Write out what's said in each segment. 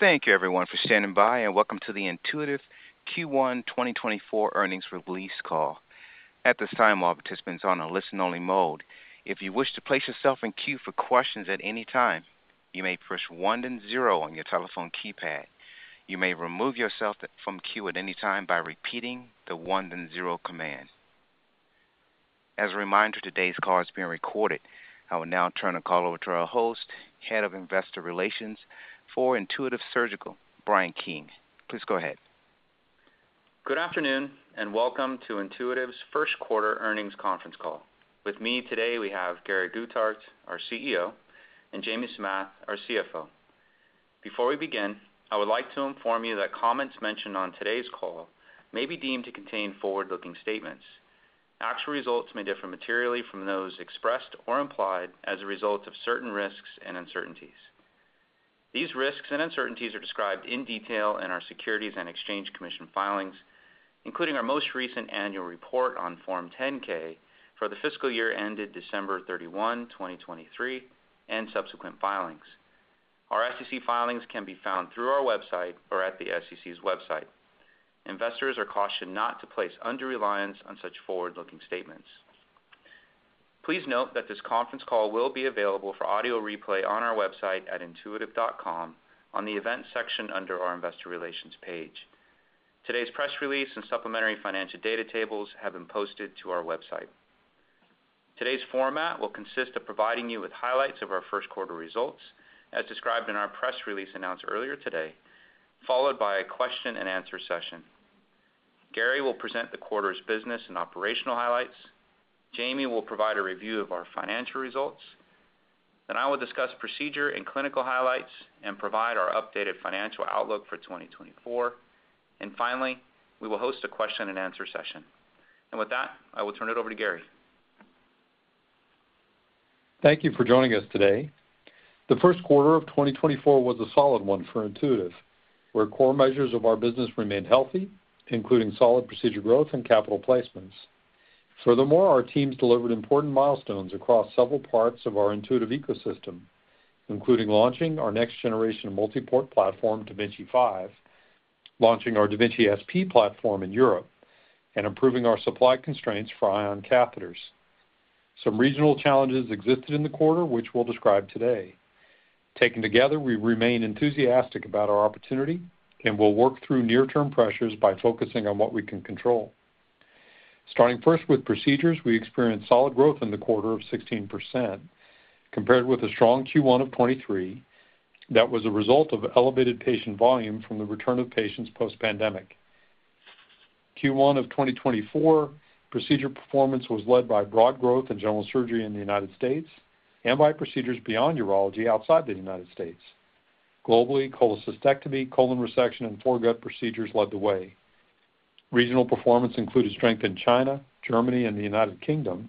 Thank you everyone for standing by, and welcome to the Intuitive Q1 2024 earnings release call. At this time, all participants are on a listen-only mode. If you wish to place yourself in queue for questions at any time, you may press one and zero on your telephone keypad. You may remove yourself from queue at any time by repeating the one and zero command. As a reminder, today's call is being recorded. I will now turn the call over to our host, Head of Investor Relations for Intuitive Surgical, Brian King. Please go ahead. Good afternoon, and welcome to Intuitive's first quarter earnings conference call. With me today, we have Gary Guthart, our CEO, and Jamie Samath, our CFO. Before we begin, I would like to inform you that comments mentioned on today's call may be deemed to contain forward-looking statements. Actual results may differ materially from those expressed or implied as a result of certain risks and uncertainties. These risks and uncertainties are described in detail in our Securities and Exchange Commission filings, including our most recent annual report on Form 10-K for the fiscal year ended December 31, 2023, and subsequent filings. Our SEC filings can be found through our website or at the SEC's website. Investors are cautioned not to place undue reliance on such forward-looking statements. Please note that this conference call will be available for audio replay on our website at intuitive.com on the Events section under our Investor Relations page. Today's press release and supplementary financial data tables have been posted to our website. Today's format will consist of providing you with highlights of our first quarter results, as described in our press release announced earlier today, followed by a question-and-answer session. Gary will present the quarter's business and operational highlights. Jamie will provide a review of our financial results. Then I will discuss procedure and clinical highlights and provide our updated financial outlook for 2024. Finally, we will host a question-and-answer session. With that, I will turn it over to Gary. Thank you for joining us today. The first quarter of 2024 was a solid one for Intuitive, where core measures of our business remained healthy, including solid procedure growth and capital placements. Furthermore, our teams delivered important milestones across several parts of our Intuitive ecosystem, including launching our next generation multi-port platform, da Vinci 5, launching our da Vinci SP platform in Europe, and improving our supply constraints for Ion catheters. Some regional challenges existed in the quarter, which we'll describe today. Taken together, we remain enthusiastic about our opportunity, and we'll work through near-term pressures by focusing on what we can control. Starting first with procedures, we experienced solid growth in the quarter of 16%, compared with a strong Q1 of 2023. That was a result of elevated patient volume from the return of patients post-pandemic. Q1 of 2024, procedure performance was led by broad growth in general surgery in the United States and by procedures beyond urology outside the United States. Globally, cholecystectomy, colon resection, and foregut procedures led the way. Regional performance included strength in China, Germany, and the United Kingdom.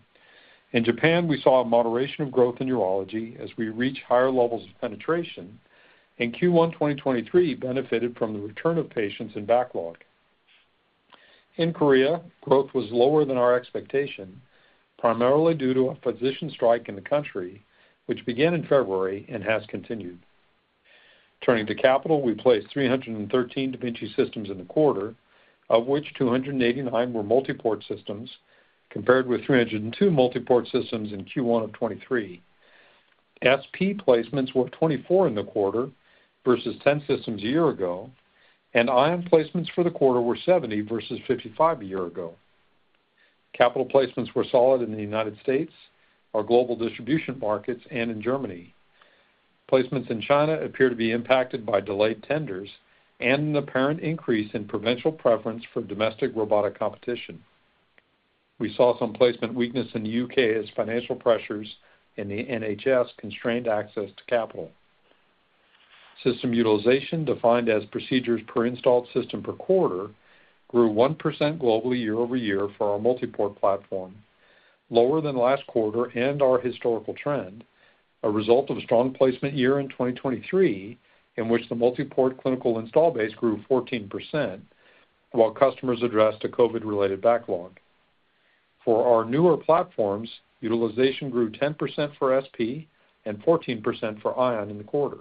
In Japan, we saw a moderation of growth in urology as we reach higher levels of penetration, and Q1 2023 benefited from the return of patients in backlog. In Korea, growth was lower than our expectation, primarily due to a physician strike in the country, which began in February and has continued. Turning to capital, we placed 313 da Vinci systems in the quarter, of which 289 were multi-port systems, compared with 302 multi-port systems in Q1 of 2023. SP placements were 24 in the quarter versus 10 systems a year ago, and Ion placements for the quarter were 70 versus 55 a year ago. Capital placements were solid in the United States, our global distribution markets, and in Germany. Placements in China appear to be impacted by delayed tenders and an apparent increase in provincial preference for domestic robotic competition. We saw some placement weakness in the U.K. as financial pressures in the NHS constrained access to capital. System utilization, defined as procedures per installed system per quarter, grew 1% globally year-over-year for our multi-port platform, lower than last quarter and our historical trend, a result of a strong placement year in 2023, in which the multi-port clinical install base grew 14%, while customers addressed a COVID-related backlog. For our newer platforms, utilization grew 10% for SP and 14% for Ion in the quarter.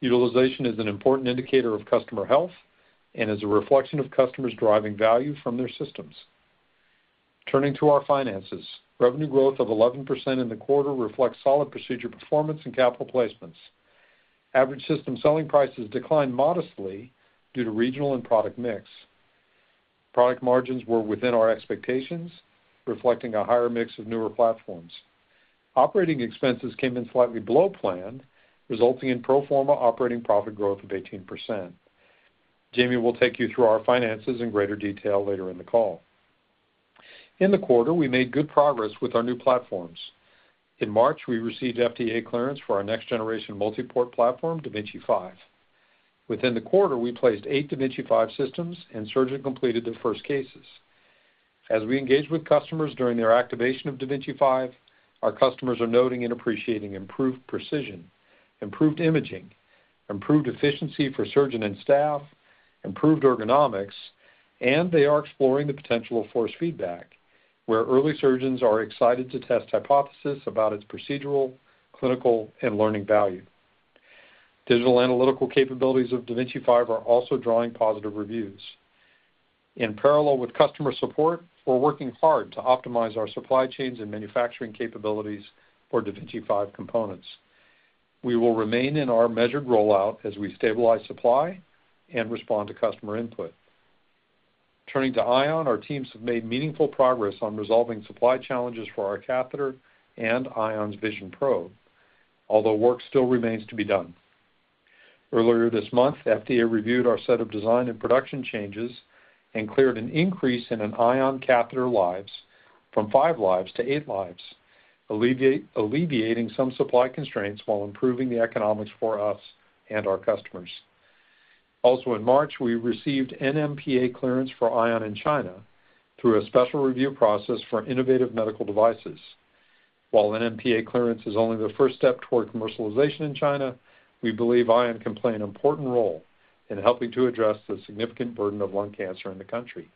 Utilization is an important indicator of customer health and is a reflection of customers driving value from their systems. Turning to our finances, revenue growth of 11% in the quarter reflects solid procedure performance and capital placements. Average system selling prices declined modestly due to regional and product mix. Product margins were within our expectations, reflecting a higher mix of newer platforms. Operating expenses came in slightly below plan, resulting in pro forma operating profit growth of 18%. Jamie will take you through our finances in greater detail later in the call. In the quarter, we made good progress with our new platforms. In March, we received FDA clearance for our next generation multi-port platform, da Vinci 5. Within the quarter, we placed eight da Vinci 5 systems, and surgeons completed the first cases. As we engage with customers during their activation of da Vinci 5, our customers are noting and appreciating improved precision, improved imaging, improved efficiency for surgeon and staff, improved ergonomics, and they are exploring the potential of force feedback where early surgeons are excited to test hypothesis about its procedural, clinical, and learning value. Digital analytical capabilities of da Vinci 5 are also drawing positive reviews. In parallel with customer support, we're working hard to optimize our supply chains and manufacturing capabilities for da Vinci 5 components. We will remain in our measured rollout as we stabilize supply and respond to customer input. Turning to Ion, our teams have made meaningful progress on resolving supply challenges for our catheter and Ion Vision Probe, although work still remains to be done. Earlier this month, FDA reviewed our set of design and production changes and cleared an increase in an Ion catheter lives from five lives to eight lives, alleviating some supply constraints while improving the economics for us and our customers. Also, in March, we received NMPA clearance for Ion in China through a special review process for innovative medical devices. While NMPA clearance is only the first step toward commercialization in China, we believe Ion can play an important role in helping to address the significant burden of lung cancer in the country.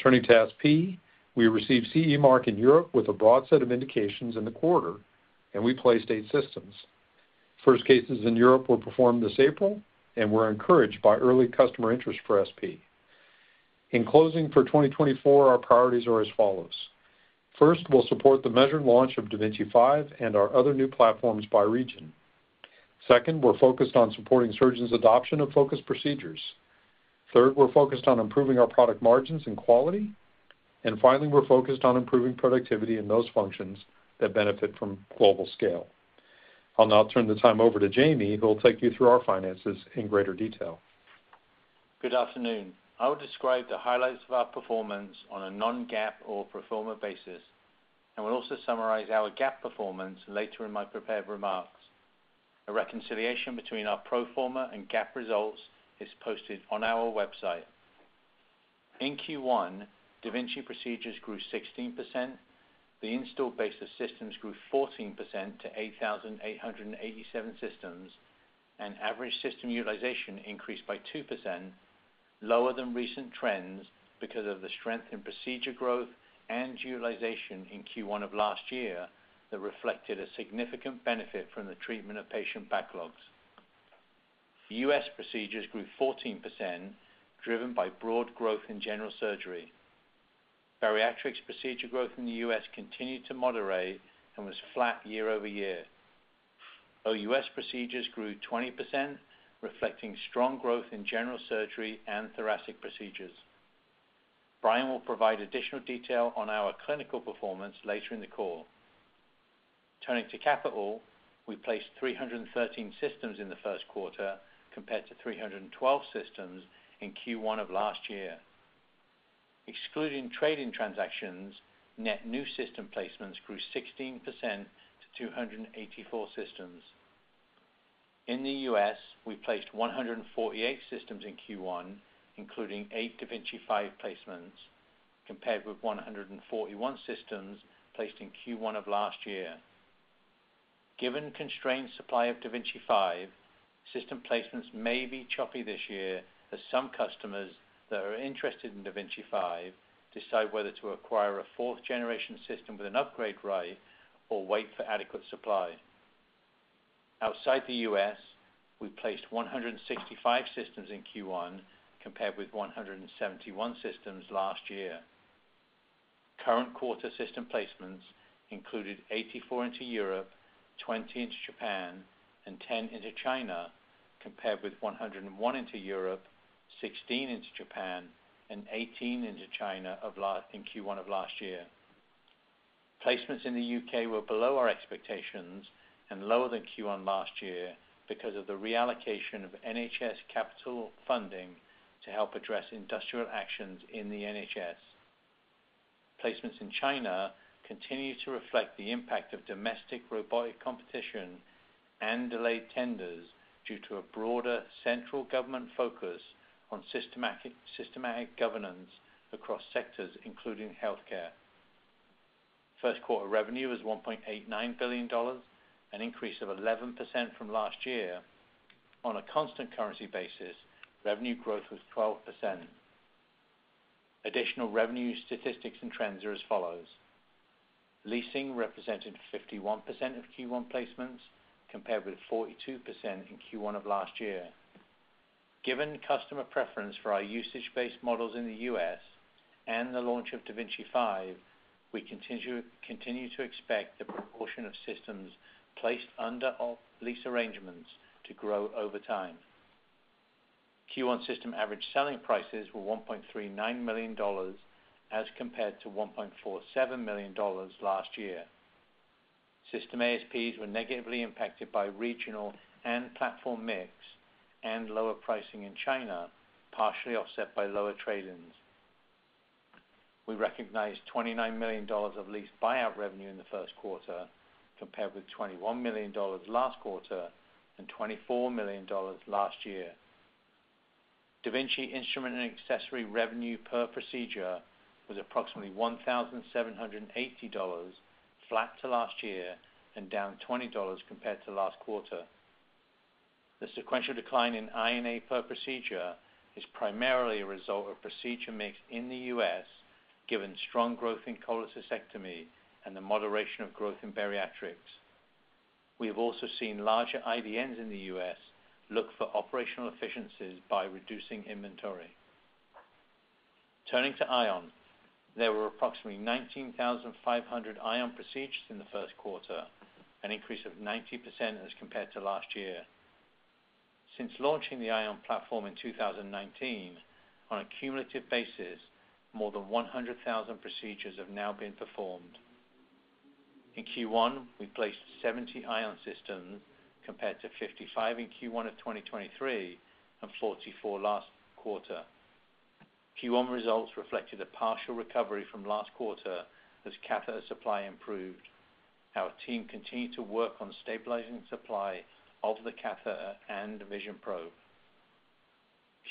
Turning to SP, we received CE mark in Europe with a broad set of indications in the quarter, and we placed eight systems. First cases in Europe were performed this April, and we're encouraged by early customer interest for SP. In closing, for 2024, our priorities are as follows: First, we'll support the measured launch of da Vinci 5 and our other new platforms by region. Second, we're focused on supporting surgeons' adoption of focused procedures. Third, we're focused on improving our product margins and quality. And finally, we're focused on improving productivity in those functions that benefit from global scale. I'll now turn the time over to Jamie, who will take you through our finances in greater detail. Good afternoon. I will describe the highlights of our performance on a non-GAAP or pro forma basis, and will also summarize our GAAP performance later in my prepared remarks. A reconciliation between our pro forma and GAAP results is posted on our website. In Q1, da Vinci procedures grew 16%. The installed base of systems grew 14% to 8,887 systems, and average system utilization increased by 2%, lower than recent trends because of the strength in procedure growth and utilization in Q1 of last year that reflected a significant benefit from the treatment of patient backlogs. U.S. procedures grew 14%, driven by broad growth in general surgery. Bariatrics procedure growth in the U.S. continued to moderate and was flat year-over-year, though U.S. procedures grew 20%, reflecting strong growth in general surgery and thoracic procedures. Brian will provide additional detail on our clinical performance later in the call. Turning to capital, we placed 313 systems in the first quarter, compared to 312 systems in Q1 of last year. Excluding trade-in transactions, net new system placements grew 16% to 284 systems. In the U.S., we placed 148 systems in Q1, including eight da Vinci 5 placements, compared with 141 systems placed in Q1 of last year. Given constrained supply of da Vinci 5, system placements may be choppy this year as some customers that are interested in da Vinci 5 decide whether to acquire a fourth-generation system with an upgrade right or wait for adequate supply. Outside the U.S., we placed 165 systems in Q1, compared with 171 systems last year. Current quarter system placements included 84 into Europe, 20 into Japan, and 10 into China, compared with 101 into Europe, 16 into Japan, and 18 into China in Q1 of last year. Placements in the U.K. were below our expectations and lower than Q1 last year because of the reallocation of NHS capital funding to help address industrial actions in the NHS. Placements in China continue to reflect the impact of domestic robotic competition and delayed tenders due to a broader central government focus on systematic governance across sectors, including healthcare. First quarter revenue was $1.89 billion, an increase of 11% from last year. On a constant currency basis, revenue growth was 12%. Additional revenue statistics and trends are as follows: Leasing represented 51% of Q1 placements, compared with 42% in Q1 of last year. Given customer preference for our usage-based models in the U.S. and the launch of da Vinci 5, we continue to expect the proportion of systems placed under our lease arrangements to grow over time. Q1 system average selling prices were $1.39 million, as compared to $1.47 million last year. System ASPs were negatively impacted by regional and platform mix and lower pricing in China, partially offset by lower trade-ins. We recognized $29 million of lease buyout revenue in the first quarter, compared with $21 million last quarter and $24 million last year. Da Vinci instrument and accessory revenue per procedure was approximately $1,780, flat to last year and down $20 compared to last quarter. The sequential decline in I&A per procedure is primarily a result of procedure mix in the U.S., given strong growth in cholecystectomy and the moderation of growth in bariatrics. We have also seen larger IDNs in the U.S. look for operational efficiencies by reducing inventory. Turning to Ion, there were approximately 19,500 Ion procedures in the first quarter, an increase of 90% as compared to last year. Since launching the Ion platform in 2019, on a cumulative basis, more than 100,000 procedures have now been performed. In Q1, we placed 70 Ion systems, compared to 55 in Q1 of 2023 and 44 last quarter. Q1 results reflected a partial recovery from last quarter as catheter supply improved. Our team continued to work on stabilizing supply of the catheter and Vision Probe.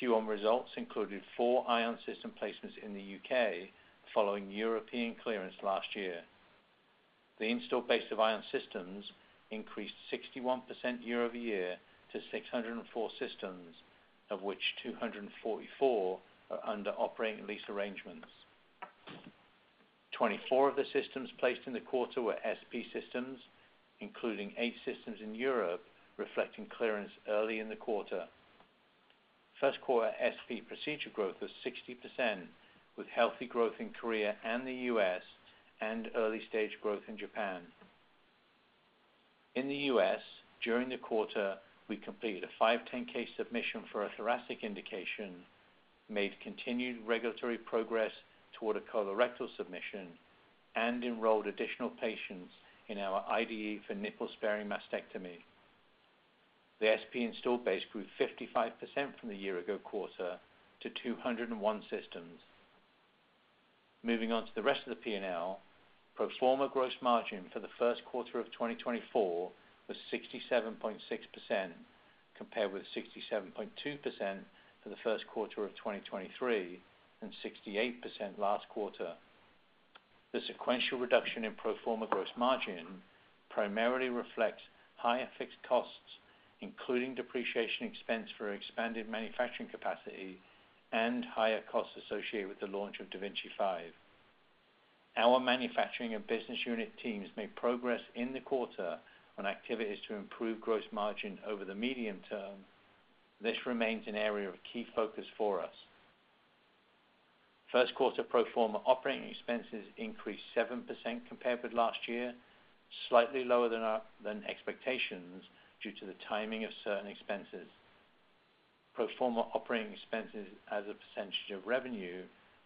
Q1 results included four Ion system placements in the U.K. following European clearance last year. The installed base of Ion systems increased 61% year-over-year to 604 systems, of which 244 are under operating lease arrangements. 24 of the systems placed in the quarter were SP systems, including eight systems in Europe, reflecting clearance early in the quarter. First quarter SP procedure growth was 60%, with healthy growth in Korea and the U.S., and early-stage growth in Japan. In the U.S., during the quarter, we completed a 510(k) submission for a thoracic indication, made continued regulatory progress toward a colorectal submission, and enrolled additional patients in our IDE for nipple-sparing mastectomy. The SP installed base grew 55% from the year ago quarter to 201 systems. Moving on to the rest of the P&L. Pro forma gross margin for the first quarter of 2024 was 67.6%, compared with 67.2% for the first quarter of 2023, and 68% last quarter. The sequential reduction in pro forma gross margin primarily reflects higher fixed costs, including depreciation expense for expanded manufacturing capacity and higher costs associated with the launch of da Vinci 5. Our manufacturing and business unit teams made progress in the quarter on activities to improve gross margin over the medium term. This remains an area of key focus for us. First quarter pro forma operating expenses increased 7% compared with last year, slightly lower than our expectations, due to the timing of certain expenses. Pro forma operating expenses as a percentage of revenue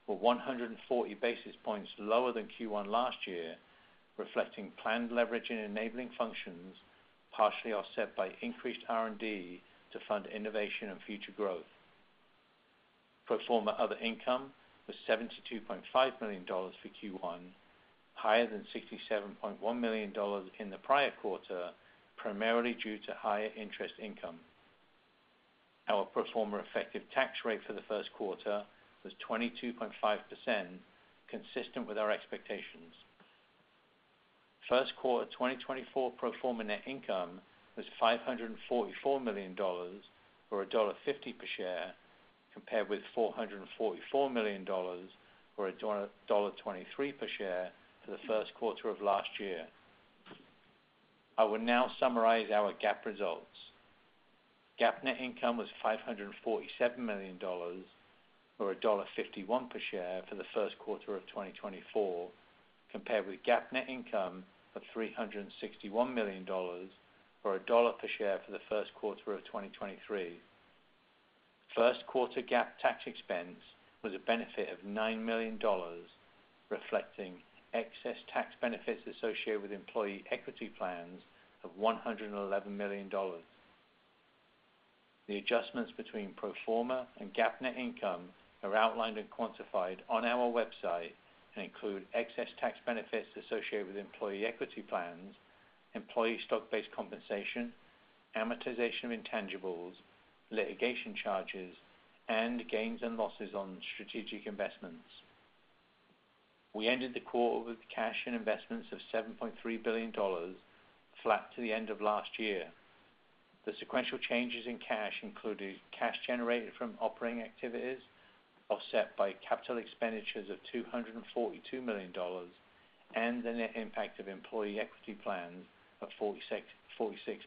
were 140 basis points lower than Q1 last year, reflecting planned leverage in enabling functions, partially offset by increased R&D to fund innovation and future growth. Pro forma other income was $72.5 million for Q1, higher than $67.1 million in the prior quarter, primarily due to higher interest income. Our pro forma effective tax rate for the first quarter was 22.5%, consistent with our expectations. First quarter 2024 pro forma net income was $544 million, or $1.50 per share, compared with $444 million, or $1.23 per share for the first quarter of last year. I will now summarize our GAAP results. GAAP net income was $547 million, or $1.51 per share for the first quarter of 2024, compared with GAAP net income of $361 million, or $1 per share for the first quarter of 2023. First quarter GAAP tax expense was a benefit of $9 million, reflecting excess tax benefits associated with employee equity plans of $111 million. The adjustments between pro forma and GAAP net income are outlined and quantified on our website and include excess tax benefits associated with employee equity plans, employee stock-based compensation, amortization of intangibles, litigation charges, and gains and losses on strategic investments. We ended the quarter with cash and investments of $7.3 billion, flat to the end of last year. The sequential changes in cash included cash generated from operating activities, offset by capital expenditures of $242 million, and the net impact of employee equity plans of $46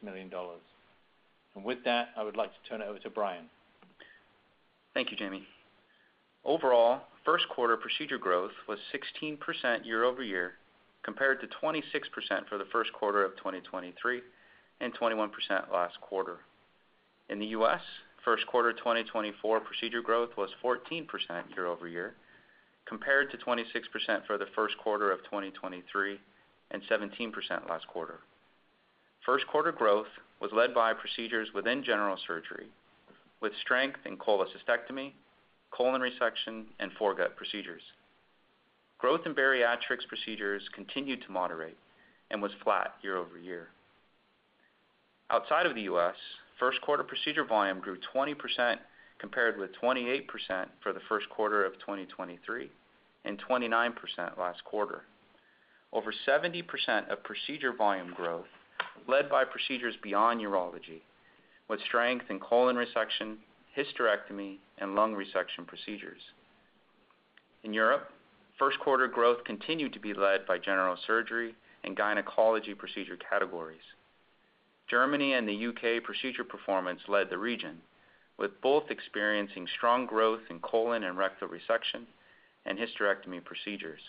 million. With that, I would like to turn it over to Brian. Thank you, Jamie. Overall, first quarter procedure growth was 16% year-over-year, compared to 26% for the first quarter of 2023, and 21% last quarter. In the U.S., first quarter 2024 procedure growth was 14% year-over-year, compared to 26% for the first quarter of 2023, and 17% last quarter. First quarter growth was led by procedures within general surgery, with strength in cholecystectomy, colon resection, and foregut procedures. Growth in bariatrics procedures continued to moderate and was flat year-over-year. Outside of the U.S., first quarter procedure volume grew 20%, compared with 28% for the first quarter of 2023, and 29% last quarter over 70% of procedure volume growth, led by procedures beyond urology, with strength in colon resection, hysterectomy, and lung resection procedures. In Europe, first quarter growth continued to be led by general surgery and gynecology procedure categories. Germany and the U.K. procedure performance led the region, with both experiencing strong growth in colon and rectal resection and hysterectomy procedures.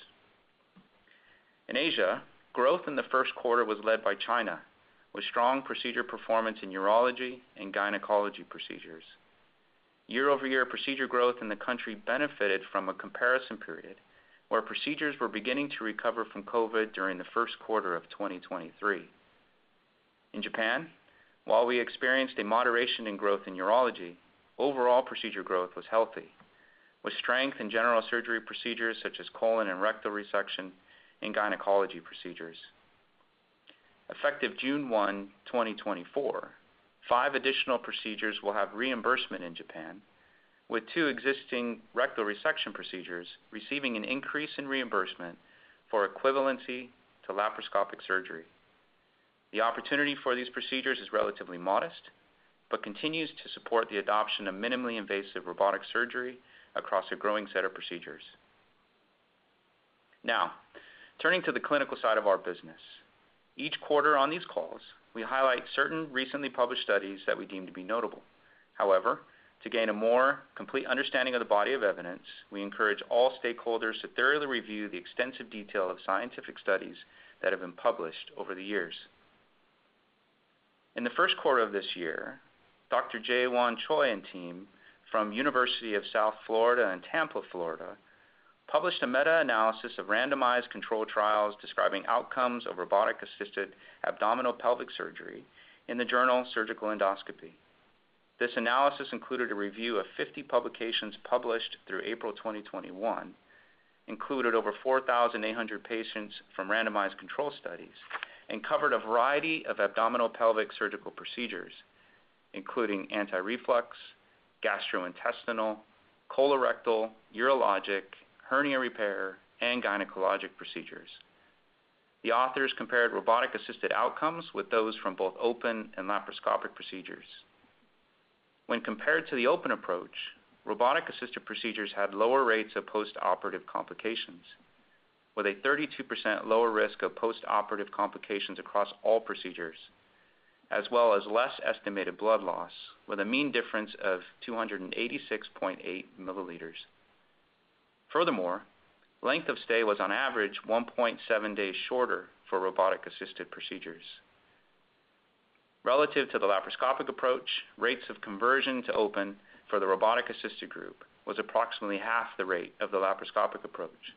In Asia, growth in the first quarter was led by China, with strong procedure performance in urology and gynecology procedures. Year-over-year procedure growth in the country benefited from a comparison period, where procedures were beginning to recover from COVID during the first quarter of 2023. In Japan, while we experienced a moderation in growth in urology, overall procedure growth was healthy, with strength in general surgery procedures such as colon and rectal resection and gynecology procedures. Effective June 1, 2024, five additional procedures will have reimbursement in Japan, with two existing rectal resection procedures receiving an increase in reimbursement for equivalency to laparoscopic surgery. The opportunity for these procedures is relatively modest, but continues to support the adoption of minimally invasive robotic surgery across a growing set of procedures. Now, turning to the clinical side of our business. Each quarter on these calls, we highlight certain recently published studies that we deem to be notable. However, to gain a more complete understanding of the body of evidence, we encourage all stakeholders to thoroughly review the extensive detail of scientific studies that have been published over the years. In the first quarter of this year, Dr. Jaewon Choi and team from University of South Florida in Tampa, Florida, published a meta-analysis of randomized controlled trials describing outcomes of robotic-assisted abdominopelvic surgery in the journal Surgical Endoscopy. This analysis included a review of 50 publications published through April 2021, included over 4,800 patients from randomized control studies, and covered a variety of abdominal pelvic surgical procedures, including anti-reflux, gastrointestinal, colorectal, urologic, hernia repair, and gynecologic procedures. The authors compared robotic-assisted outcomes with those from both open and laparoscopic procedures. When compared to the open approach, robotic-assisted procedures had lower rates of postoperative complications, with a 32% lower risk of postoperative complications across all procedures, as well as less estimated blood loss, with a mean difference of 286.8 milliliters. Furthermore, length of stay was on average 1.7 days shorter for robotic-assisted procedures. Relative to the laparoscopic approach, rates of conversion to open for the robotic-assisted group was approximately half the rate of the laparoscopic approach.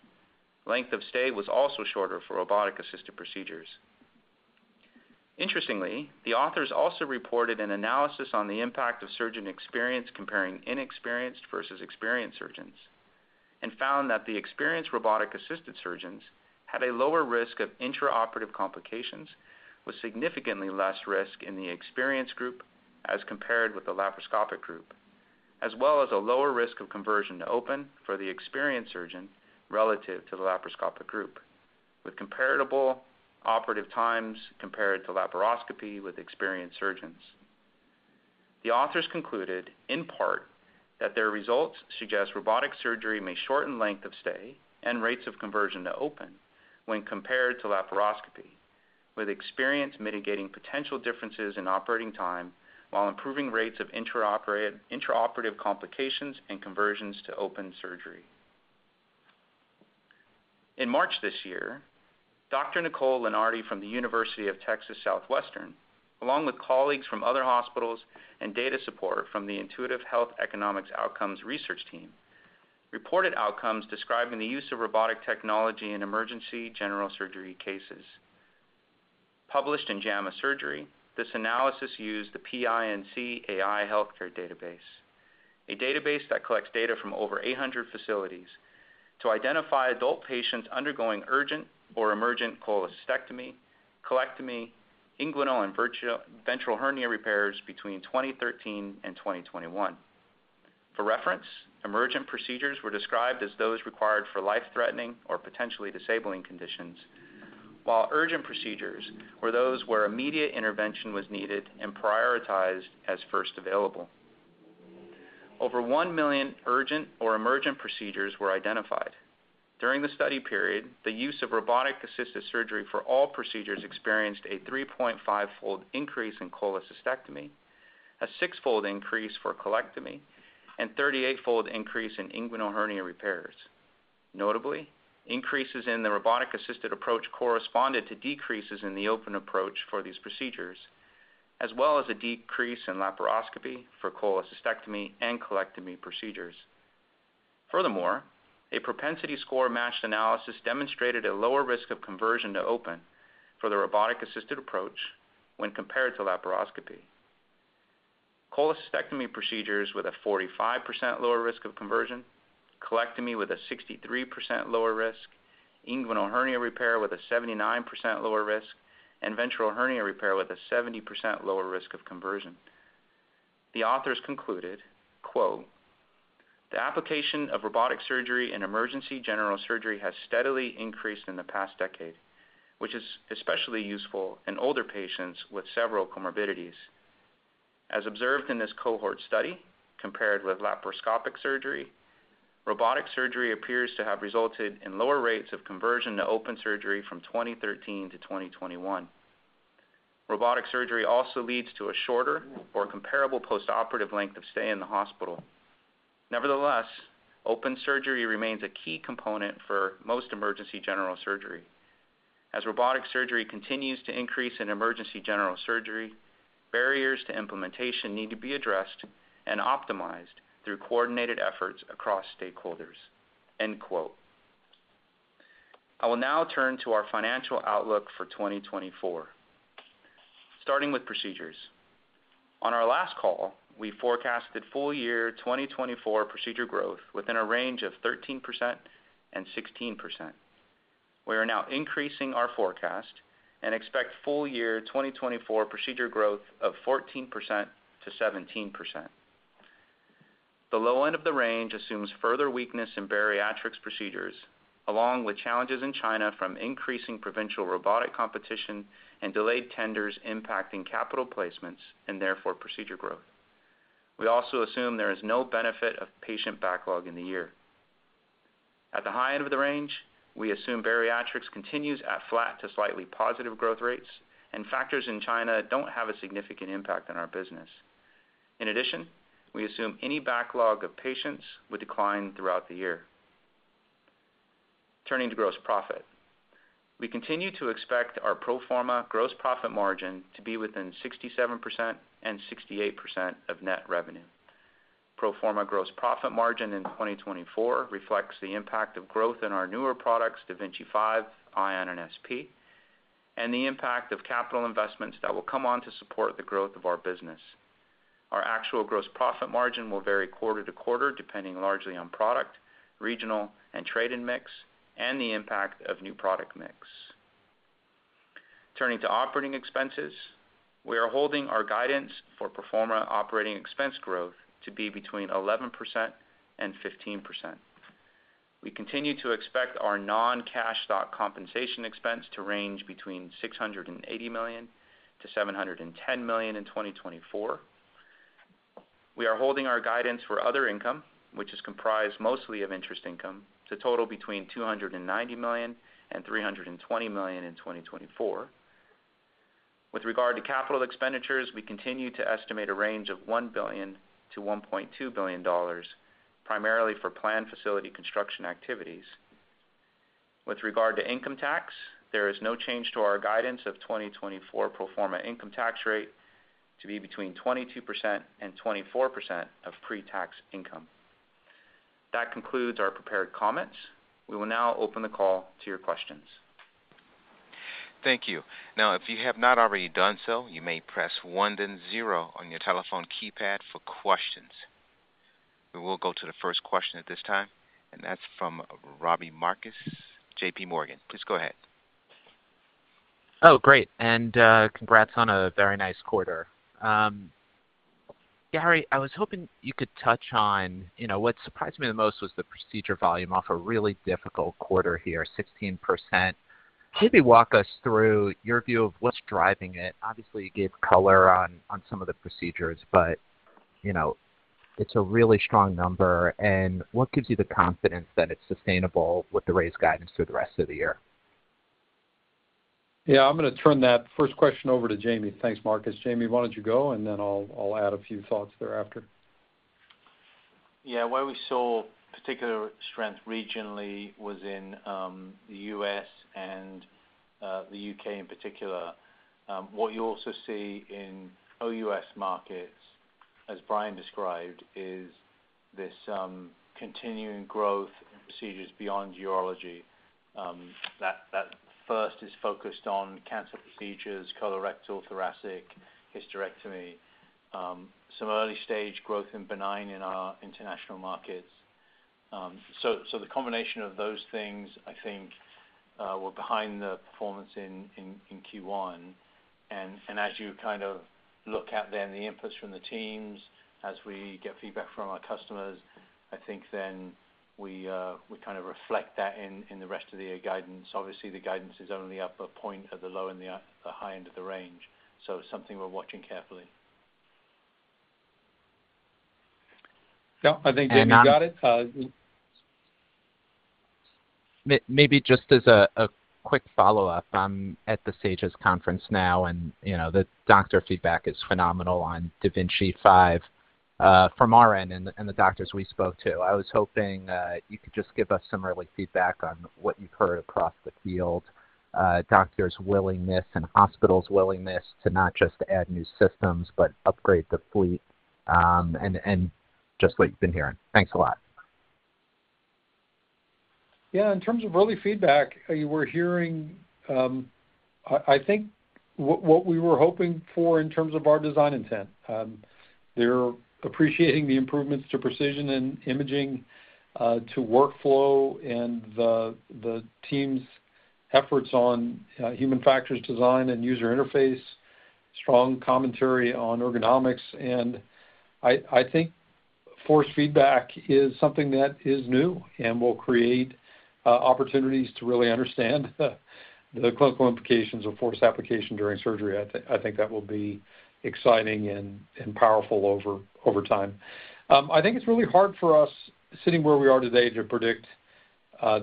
Length of stay was also shorter for robotic-assisted procedures. Interestingly, the authors also reported an analysis on the impact of surgeon experience comparing inexperienced versus experienced surgeons, and found that the experienced robotic-assisted surgeons had a lower risk of intraoperative complications, with significantly less risk in the experienced group as compared with the laparoscopic group, as well as a lower risk of conversion to open for the experienced surgeon relative to the laparoscopic group, with comparable operative times compared to laparoscopy with experienced surgeons. The authors concluded, in part, that their results suggest robotic surgery may shorten length of stay and rates of conversion to open when compared to laparoscopy, with experience mitigating potential differences in operating time while improving rates of intraoperative complications and conversions to open surgery. In March this year, Dr. Nicole Lunardi from the University of Texas Southwestern, along with colleagues from other hospitals and data support from the Intuitive Health Economics Outcomes Research team, reported outcomes describing the use of robotic technology in emergency general surgery cases. Published in JAMA Surgery, this analysis used the PINC AI healthcare database, a database that collects data from over 800 facilities, to identify adult patients undergoing urgent or emergent cholecystectomy, colectomy, inguinal and ventral hernia repairs between 2013 and 2021. For reference, emergent procedures were described as those required for life-threatening or potentially disabling conditions, while urgent procedures were those where immediate intervention was needed and prioritized as first available. Over 1 million urgent or emergent procedures were identified. During the study period, the use of robotic-assisted surgery for all procedures experienced a 3.5-fold increase in cholecystectomy, a six-fold increase for colectomy, and 38-fold increase in inguinal hernia repairs. Notably, increases in the robotic-assisted approach corresponded to decreases in the open approach for these procedures, as well as a decrease in laparoscopy for cholecystectomy and colectomy procedures. Furthermore, a propensity score matched analysis demonstrated a lower risk of conversion to open for the robotic-assisted approach when compared to laparoscopy. Cholecystectomy procedures with a 45% lower risk of conversion, colectomy with a 63% lower risk, inguinal hernia repair with a 79% lower risk, and ventral hernia repair with a 70% lower risk of conversion. The authors concluded, quote, "...The application of robotic surgery in emergency general surgery has steadily increased in the past decade, which is especially useful in older patients with several comorbidities. As observed in this cohort study, compared with laparoscopic surgery, robotic surgery appears to have resulted in lower rates of conversion to open surgery from 2013 to 2021. Robotic surgery also leads to a shorter or comparable postoperative length of stay in the hospital. Nevertheless, open surgery remains a key component for most emergency general surgery. As robotic surgery continues to increase in emergency general surgery, barriers to implementation need to be addressed and optimized through coordinated efforts across stakeholders, end quote. I will now turn to our financial outlook for 2024, starting with procedures. On our last call, we forecasted full year 2024 procedure growth within a range of 13%-16%. We are now increasing our forecast and expect full year 2024 procedure growth of 14%-17%. The low end of the range assumes further weakness in bariatrics procedures, along with challenges in China from increasing provincial robotic competition and delayed tenders impacting capital placements and therefore procedure growth. We also assume there is no benefit of patient backlog in the year. At the high end of the range, we assume bariatrics continues at flat to slightly positive growth rates, and factors in China don't have a significant impact on our business. In addition, we assume any backlog of patients will decline throughout the year. Turning to gross profit. We continue to expect our pro forma gross profit margin to be within 67% and 68% of net revenue. Pro forma gross profit margin in 2024 reflects the impact of growth in our newer products, da Vinci 5, Ion, and SP, and the impact of capital investments that will come on to support the growth of our business. Our actual gross profit margin will vary quarter to quarter, depending largely on product, regional, and trade and mix, and the impact of new product mix. Turning to operating expenses, we are holding our guidance for pro forma operating expense growth to be between 11% and 15%. We continue to expect our non-cash stock compensation expense to range between $680 million-$710 million in 2024. We are holding our guidance for other income, which is comprised mostly of interest income, to total between $290 million and $320 million in 2024. With regard to capital expenditures, we continue to estimate a range of $1 billion-$1.2 billion, primarily for planned facility construction activities. With regard to income tax, there is no change to our guidance of 2024 pro forma income tax rate to be between 22% and 24% of pre-tax income. That concludes our prepared comments. We will now open the call to your questions. Thank you. Now, if you have not already done so, you may press one, then zero on your telephone keypad for questions. We will go to the first question at this time, and that's from Robbie Marcus, JPMorgan. Please go ahead. Oh, great, and congrats on a very nice quarter. Gary, I was hoping you could touch on, you know, what surprised me the most was the procedure volume off a really difficult quarter here, 16%. Maybe walk us through your view of what's driving it. Obviously, you gave color on some of the procedures, but, you know, it's a really strong number. And what gives you the confidence that it's sustainable with the raised guidance through the rest of the year? Yeah, I'm gonna turn that first question over to Jamie. Thanks, Marcus. Jamie, why don't you go, and then I'll, I'll add a few thoughts thereafter. Yeah. Where we saw particular strength regionally was in the U.S. and the U.K. in particular. What you also see in OUS markets, as Brian described, is this continuing growth in procedures beyond urology. That, that first is focused on cancer procedures, colorectal, thoracic, hysterectomy, some early-stage growth in benign in our international markets. So, so the combination of those things, I think, were behind the performance in Q1. And as you kind of look out, then the inputs from the teams, as we get feedback from our customers, I think then we, we kind of reflect that in the rest of the year guidance. Obviously, the guidance is only up a point at the low and the high end of the range, so something we're watching carefully. Yeah, I think, Jamie, you got it, Maybe just as a quick follow-up. I'm at the SAGES conference now, and, you know, the doctor feedback is phenomenal on da Vinci 5 from our end and the doctors we spoke to. I was hoping you could just give us some early feedback on what you've heard across the field, doctors' willingness and hospitals' willingness to not just add new systems, but upgrade the fleet, and just what you've been hearing. Thanks a lot. Yeah, in terms of early feedback, we're hearing, I think what we were hoping for in terms of our design intent. They're appreciating the improvements to precision and imaging, to workflow and the team's efforts on human factors, design, and user interface... strong commentary on ergonomics, and I think force feedback is something that is new and will create opportunities to really understand the clinical implications of force application during surgery. I think that will be exciting and powerful over time. I think it's really hard for us, sitting where we are today, to predict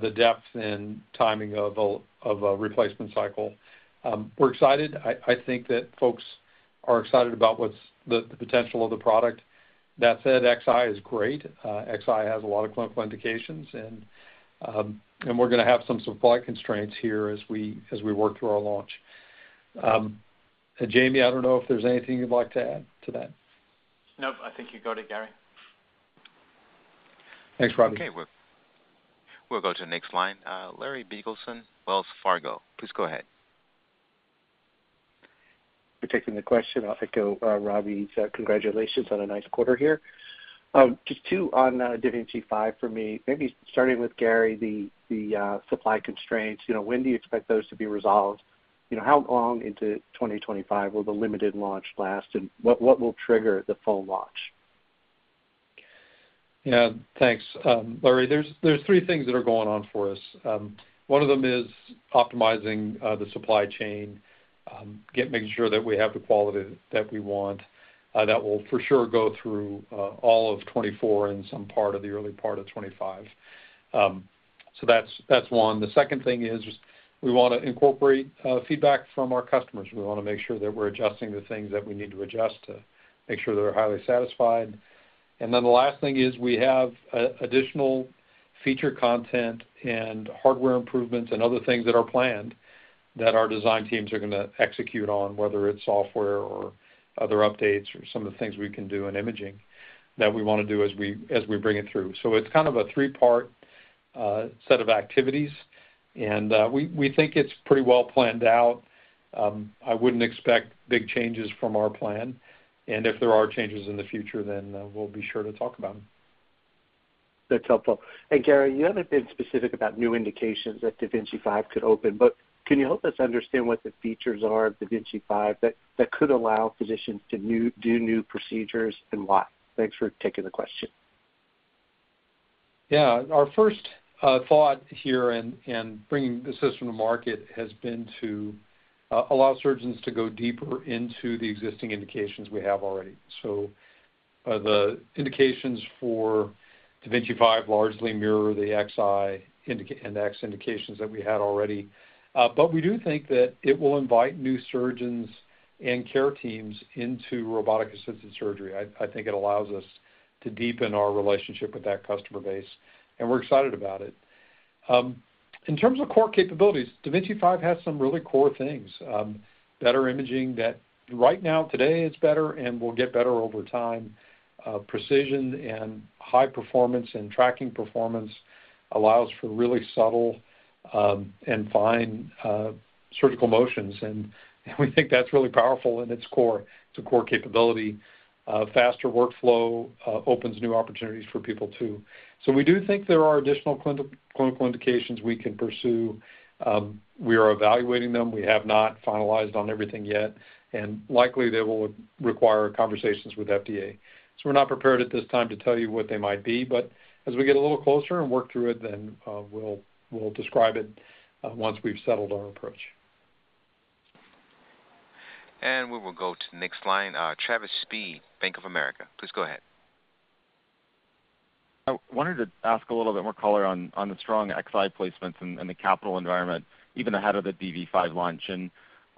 the depth and timing of a replacement cycle. We're excited. I think that folks are excited about the potential of the product. That said, Xi is great. Xi has a lot of clinical indications, and we're gonna have some supply constraints here as we work through our launch. Jamie, I don't know if there's anything you'd like to add to that? Nope. I think you got it, Gary. Thanks, Robbie. Okay, we'll go to the next line. Larry Biegelsen, Wells Fargo, please go ahead. For taking the question. I'll echo Robbie's congratulations on a nice quarter here. Just two on da Vinci 5 for me, maybe starting with Gary, the supply constraints. You know, when do you expect those to be resolved? You know, how long into 2025 will the limited launch last, and what will trigger the full launch? Yeah. Thanks, Larry. There's, there's three things that are going on for us. One of them is optimizing the supply chain, making sure that we have the quality that we want. That will for sure go through all of 2024 and some part of the early part of 2025. So that's, that's one. The second thing is we wanna incorporate feedback from our customers. We wanna make sure that we're adjusting the things that we need to adjust to make sure they're highly satisfied. And then the last thing is we have additional feature content and hardware improvements and other things that are planned that our design teams are gonna execute on, whether it's software or other updates or some of the things we can do in imaging that we wanna do as we, as we bring it through. So it's kind of a three-part set of activities, and we think it's pretty well planned out. I wouldn't expect big changes from our plan, and if there are changes in the future, then we'll be sure to talk about them. That's helpful. Gary, you haven't been specific about new indications that da Vinci 5 could open, but can you help us understand what the features are of da Vinci 5 that could allow physicians to do new procedures and why? Thanks for taking the question. Yeah. Our first thought here in, in bringing the system to market has been to allow surgeons to go deeper into the existing indications we have already. So, the indications for da Vinci 5 largely mirror the Xi and X indications that we had already. But we do think that it will invite new surgeons and care teams into robotic-assisted surgery. I, I think it allows us to deepen our relationship with that customer base, and we're excited about it. In terms of core capabilities, da Vinci 5 has some really core things. Better imaging, that right now, today, it's better and will get better over time. Precision and high performance and tracking performance allows for really subtle, and fine, surgical motions, and we think that's really powerful in its core. It's a core capability. Faster workflow opens new opportunities for people too. So we do think there are additional clinical indications we can pursue. We are evaluating them. We have not finalized on everything yet, and likely they will require conversations with FDA. So we're not prepared at this time to tell you what they might be, but as we get a little closer and work through it, then we'll describe it once we've settled our approach. We will go to the next line. Travis Steed, Bank of America, please go ahead. I wanted to ask a little bit more color on the strong Xi placements in the capital environment, even ahead of the DV5 launch. And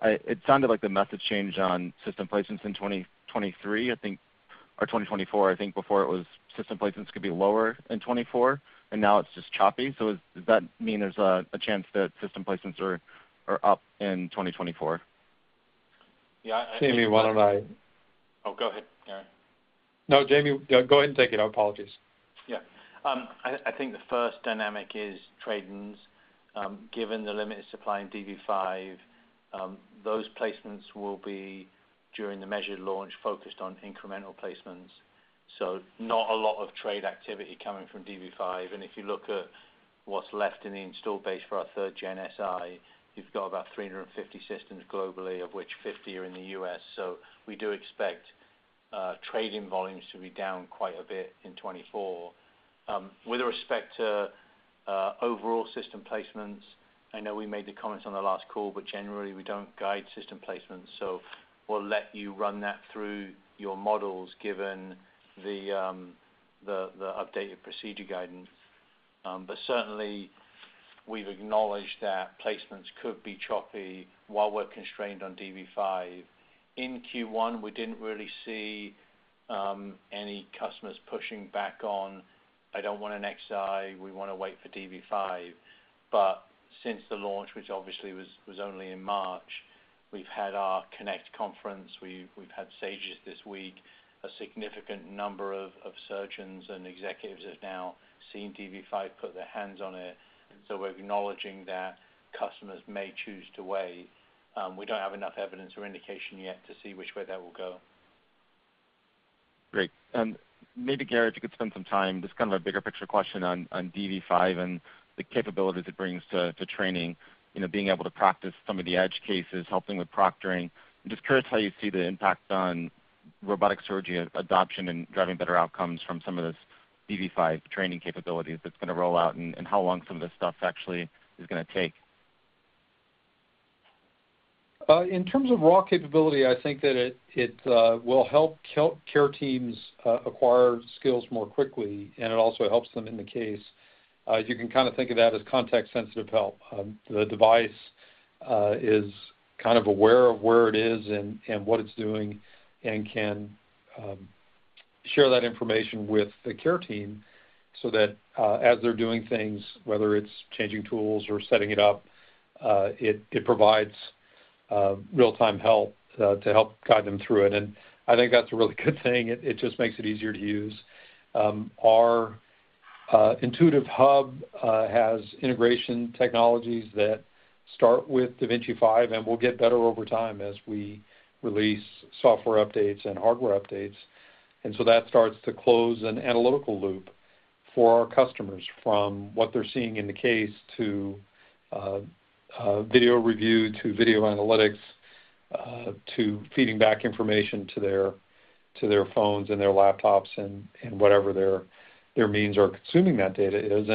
it sounded like the message changed on system placements in 2023, I think, or 2024. I think before it was system placements could be lower in 2024, and now it's just choppy. So does that mean there's a chance that system placements are up in 2024? Yeah, I think- Jamie, why don't I- Oh, go ahead, Gary. No, Jamie, go ahead and take it. My apologies. Yeah. I think the first dynamic is trade-ins. Given the limited supply in DV5, those placements will be during the measured launch focused on incremental placements, so not a lot of trade activity coming from DV5. And if you look at what's left in the installed base for our third-gen Si, you've got about 350 systems globally, of which 50 are in the U.S.. So we do expect trade-in volumes to be down quite a bit in 2024. With respect to overall system placements, I know we made the comments on the last call, but generally, we don't guide system placements, so we'll let you run that through your models, given the updated procedure guidance. But certainly, we've acknowledged that placements could be choppy while we're constrained on DV5. In Q1, we didn't really see any customers pushing back on, "I don't want an Xi. We wanna wait for DV5." But since the launch, which obviously was only in March, we've had our Connect conference, we've had SAGES this week. A significant number of surgeons and executives have now seen DV5, put their hands on it, so we're acknowledging that customers may choose to wait. We don't have enough evidence or indication yet to see which way that will go. Great. Maybe, Gary, if you could spend some time, just kind of a bigger picture question on, on DV5 and the capabilities it brings to, to training, you know, being able to practice some of the edge cases, helping with proctoring. I'm just curious how you see the impact on robotic surgery, adoption, and driving better outcomes from some of those DV5 training capabilities that's going to roll out, and, and how long some of this stuff actually is going to take? In terms of raw capability, I think that it will help care teams acquire skills more quickly, and it also helps them in the case. You can kind of think of that as context-sensitive help. The device is kind of aware of where it is and what it's doing, and can share that information with the care team so that as they're doing things, whether it's changing tools or setting it up, it provides real-time help to help guide them through it. And I think that's a really good thing. It just makes it easier to use. Our Intuitive Hub has integration technologies that start with da Vinci 5 and will get better over time as we release software updates and hardware updates. That starts to close an analytical loop for our customers from what they're seeing in the case to video review, to video analytics, to feeding back information to their phones and their laptops and whatever their means are consuming that data is.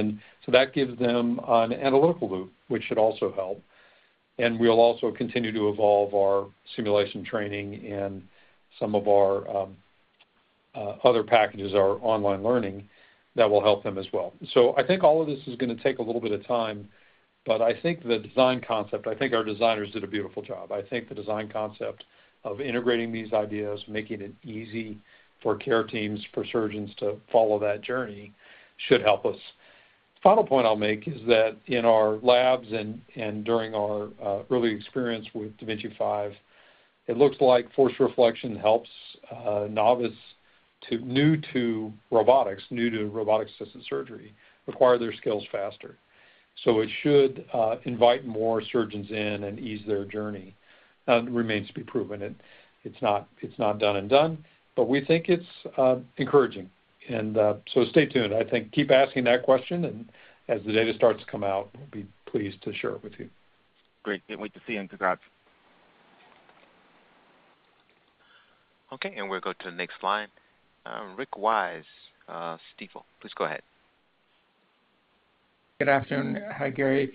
That gives them an analytical loop, which should also help. We'll also continue to evolve our simulation training and some of our other packages, our online learning, that will help them as well. So I think all of this is going to take a little bit of time, but I think the design concept. I think our designers did a beautiful job. I think the design concept of integrating these ideas, making it easy for care teams, for surgeons to follow that journey, should help us. Final point I'll make is that in our labs and during our early experience with da Vinci 5, it looks like force reflection helps new to robotics, new to robotic-assisted surgery, acquire their skills faster. So it should invite more surgeons in and ease their journey. It remains to be proven. It's not done and done, but we think it's encouraging. So stay tuned. I think keep asking that question, and as the data starts to come out, we'll be pleased to share it with you. Great. Can't wait to see them. Congrats. Okay, and we'll go to the next line. Rick Wise, Stifel, please go ahead. Good afternoon. Hi, Gary.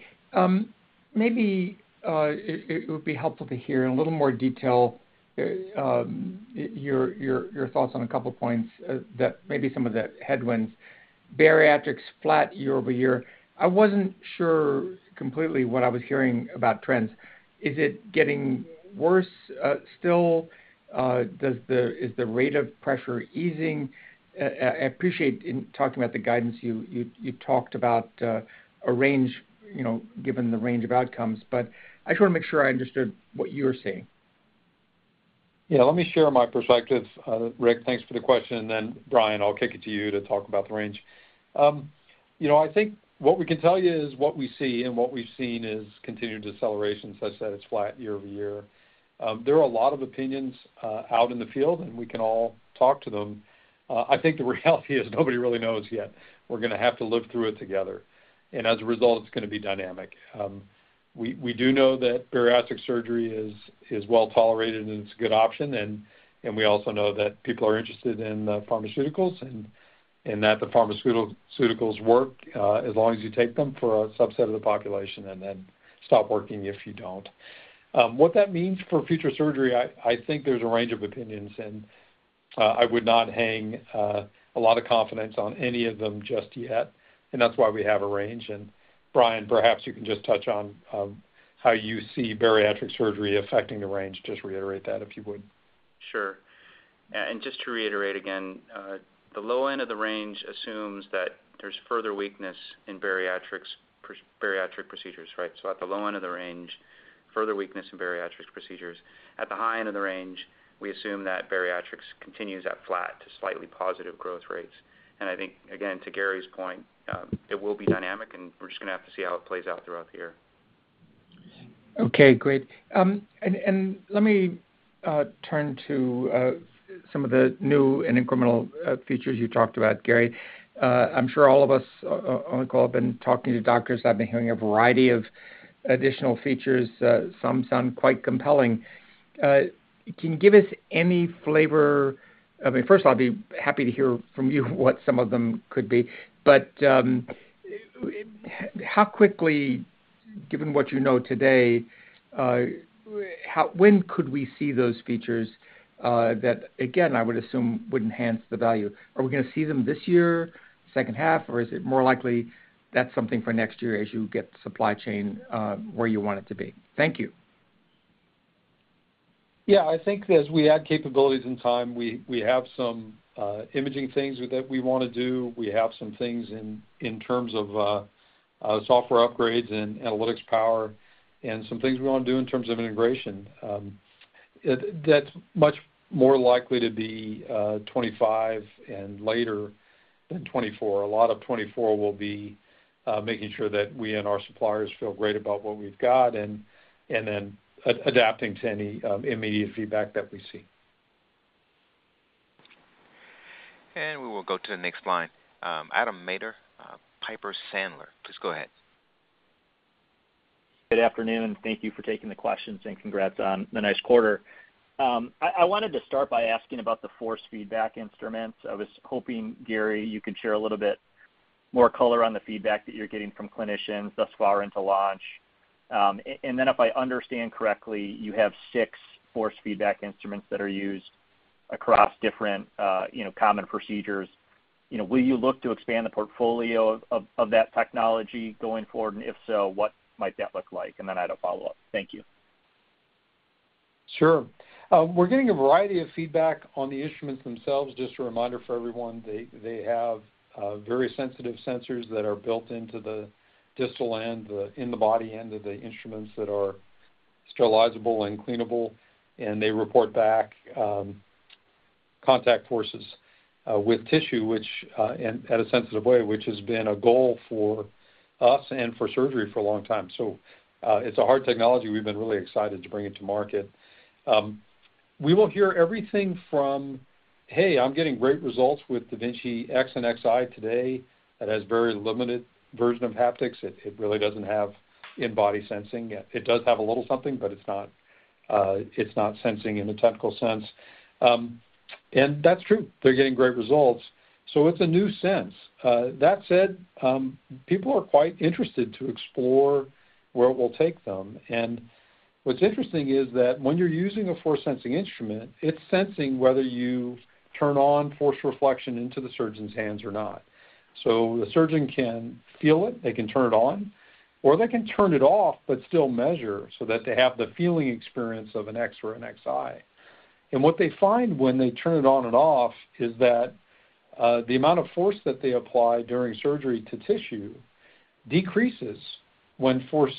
Maybe it would be helpful to hear in a little more detail your thoughts on a couple points that maybe some of the headwinds. Bariatrics flat year-over-year. I wasn't sure completely what I was hearing about trends. Is it getting worse still? Is the rate of pressure easing? I appreciate in talking about the guidance, you talked about a range, you know, given the range of outcomes, but I just want to make sure I understood what you were saying. Yeah, let me share my perspective, Rick. Thanks for the question, and then, Brian, I'll kick it to you to talk about the range. You know, I think what we can tell you is what we see, and what we've seen is continued deceleration, such that it's flat year-over-year. There are a lot of opinions out in the field, and we can all talk to them. I think the reality is nobody really knows yet. We're going to have to live through it together, and as a result, it's going to be dynamic. We do know that bariatric surgery is well tolerated and it's a good option, and we also know that people are interested in pharmaceuticals and that the pharmaceuticals work as long as you take them for a subset of the population, and then stop working if you don't. What that means for future surgery, I think there's a range of opinions, and I would not hang a lot of confidence on any of them just yet, and that's why we have a range. And Brian, perhaps you can just touch on how you see bariatric surgery affecting the range. Just reiterate that, if you would. Sure. And just to reiterate again, the low end of the range assumes that there's further weakness in bariatrics, bariatric procedures, right? So at the low end of the range, further weakness in bariatric procedures. At the high end of the range, we assume that bariatrics continues at flat to slightly positive growth rates. And I think, again, to Gary's point, it will be dynamic, and we're just going to have to see how it plays out throughout the year. Okay, great. And let me turn to some of the new and incremental features you talked about, Gary. I'm sure all of us on the call have been talking to doctors. I've been hearing a variety of additional features. Some sound quite compelling. Can you give us any flavor. I mean, first of all, I'd be happy to hear from you what some of them could be. But how quickly, given what you know today, when could we see those features that, again, I would assume would enhance the value? Are we going to see them this year, second half, or is it more likely that's something for next year as you get the supply chain where you want it to be? Thank you. Yeah. I think as we add capabilities in time, we have some imaging things that we want to do. We have some things in terms of software upgrades and analytics power, and some things we want to do in terms of integration. That's much more likely to be 2025 and later than 2024. A lot of 2024 will be making sure that we and our suppliers feel great about what we've got, and then adapting to any immediate feedback that we see. We will go to the next line. Adam Maeder, Piper Sandler, please go ahead. Good afternoon, and thank you for taking the questions, and congrats on the nice quarter. I wanted to start by asking about the force feedback instruments. I was hoping, Gary, you could share a little bit more color on the feedback that you're getting from clinicians thus far into launch. And then if I understand correctly, you have six force feedback instruments that are used across different, you know, common procedures. You know, will you look to expand the portfolio of that technology going forward? And if so, what might that look like? And then I had a follow-up. Thank you. Sure. We're getting a variety of feedback on the instruments themselves. Just a reminder for everyone, they have very sensitive sensors that are built into the distal end, the in-the-body end of the instruments that are sterilizable and cleanable, and they report back contact forces with tissue, which in a sensitive way, which has been a goal for us and for surgery for a long time. So, it's a hard technology. We've been really excited to bring it to market. We will hear everything from, hey, I'm getting great results with da Vinci X and da Vinci Xi today. That has very limited version of haptics. It really doesn't have in-body sensing. It does have a little something, but it's not sensing in the technical sense. And that's true. They're getting great results. So it's a new sense. That said, people are quite interested to explore where it will take them. And what's interesting is that when you're using a force-sensing instrument, it's sensing whether you turn on force reflection into the surgeon's hands or not. So the surgeon can feel it, they can turn it on, or they can turn it off, but still measure so that they have the feeling experience of an X or an Xi. And what they find when they turn it on and off is that, the amount of force that they apply during surgery to tissue decreases when force